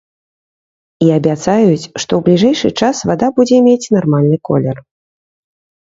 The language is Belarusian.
І абяцаюць, што ў бліжэйшы час вада будзе мець нармальны колер.